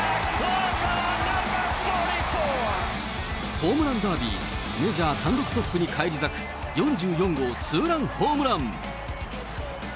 ホームランダービーメジャー単独トップに返り咲く４４号ツーランホームラン。